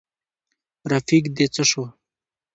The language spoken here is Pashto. رفیق دي څه شو.